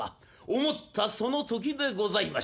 思ったそのときでございました。